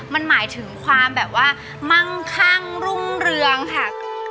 มันหมายถึงความแบบว่ามั่งคั่งรุ่งเรืองค่ะ